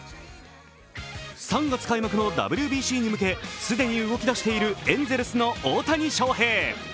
３月開幕のＷＢＣに向け既に動きだしているエンゼルスの大谷翔平。